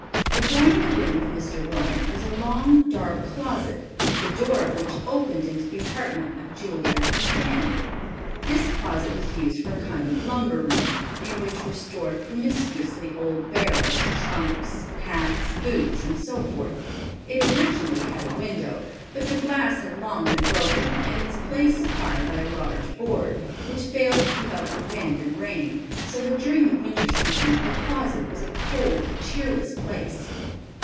Adjoining the room of Mr. Wilmot was a long dark closet, the door of which opened into the apartment of Julia and Fanny. This closet was used for a kind of lumber room, in which were stored promiscuously old barrels, trunks, hats, boots and so forth. It originally had a window, but the glass had long been broken and its place supplied by a large board, which failed to keep out the wind and rain, so that during the winter season the closet was a cold, cheerless place.